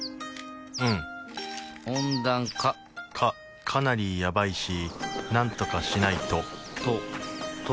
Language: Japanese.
うん温暖化かかなりやばいしなんとかしないとと解けちゃうね